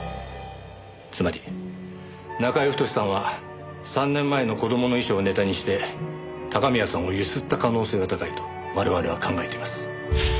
つまり中居太さんは３年前の子供の遺書をネタにして高宮さんを強請った可能性が高いと我々は考えています。